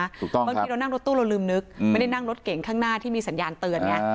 บางทีเรานั่งรถตู้เราลืมนึกไม่ได้นั่งรถเก่งข้างหน้าที่มีสัญญาณเตือนไง